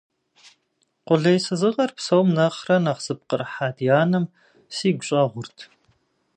Къулейсызыгъэр псом нэхърэ нэхъ зыпкърыхьа ди анэм сигу щӀэгъурт.